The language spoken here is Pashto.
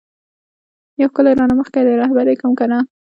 یو ښکلی رانه مخکی دی رهبر یی کړم کنه؟